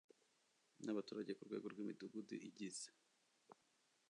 n abaturage ku rwego rw imidugudu igize